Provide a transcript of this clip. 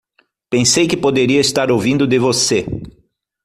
Pensei que poderia estar ouvindo de você.